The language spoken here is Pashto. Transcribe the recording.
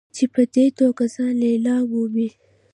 چې په دې توګه ځان لیلاموي.